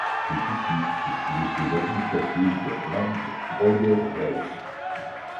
C'est ici que se trouve le siège administratif de l'Amt Oder-Welse.